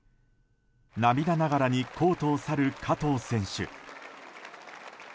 涙ながらにコートを去る加藤選手。